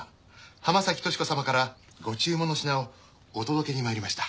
浜崎とし子様からご注文の品をお届けにまいりました。